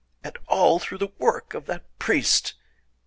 And all through the work of that priest!